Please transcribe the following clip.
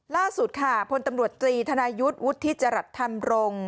ล่าสุดค่ะพลตำรวจตรีธนายุทธ์วุฒิจรัสธรรมรงค์